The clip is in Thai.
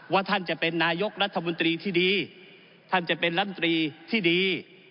ท่านจะเป็นนายกรัฐมนตรีที่ดีท่านจะเป็นรัฐมนตรีที่ดี